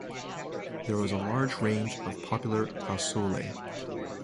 There was a large range of popular clausulae.